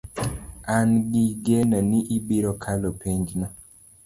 An gi geno ni abiro kalo penj no